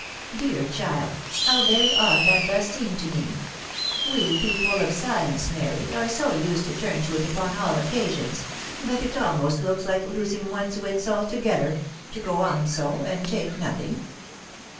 " Dear child ! How very odd that does seem to me ! We people of science, Mary, are so used to turn to it upon all occasions, that it almost looks like losing one's wits altogether, to go on so, and take nothing."